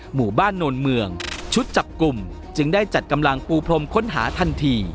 หมู่บ้านโนนเมืองชุดจับกลุ่มจึงได้จัดกำลังปูพรมค้นหาทันที